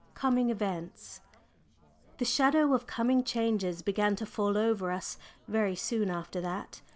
COMING EVENTS. The shadow of coming changes began to fall over us very soon after that.